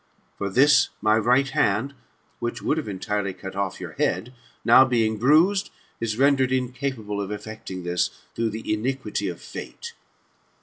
For this my right hand, which would have entirely cut off your head, now being bruised* is rendered incapable of effecting this, through the iniquity of Fate."